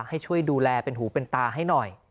ให้ช่วยดูแลเป็นหูเป็นตาให้หน่อย